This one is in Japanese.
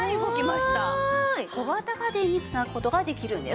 すごい！小型家電に繋ぐ事ができるんです。